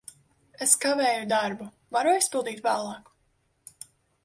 Es kavēju darbu. Varu aizpildīt vēlāk?